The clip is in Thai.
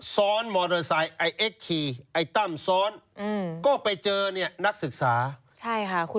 ทำให้ทันเจ้าทุกข์